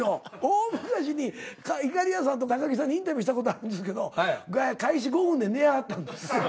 大昔にいかりやさんと高木さんにインタビューしたことあるんですけど開始５分で寝はったんですよ。